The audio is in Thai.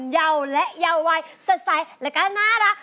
เยาและเยาววัยสดใสแล้วก็น่ารัก